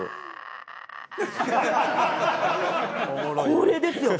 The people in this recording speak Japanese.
これですよ！